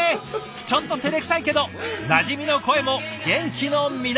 ちょっとてれくさいけどなじみの声も元気の源！